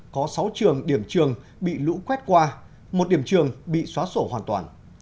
có sáu trường điểm trường bị lũ quét qua một điểm trường bị xóa sổ hoàn toàn